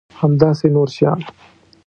همداسې نور شیان.